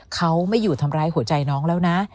เขาไม่อยู่ทำร้ายหัวใจน้องแล้วนะ